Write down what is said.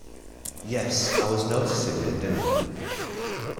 Yes, I was noticing at dinner.